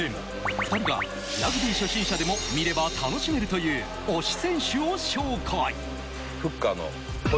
２人はラグビー初心者でも見れば楽しめるという推し選手を紹介。